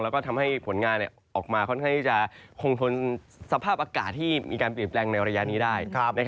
แล้วก็ทำให้ผลงานออกมาค่อนข้างที่จะคงทนสภาพอากาศที่มีการเปลี่ยนแปลงในระยะนี้ได้